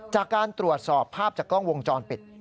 จากการตรวจสอบภาพจากกล้องวงจรปิด